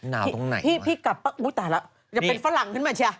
อย่าเป็นฝรั่งขึ้นมาเชีย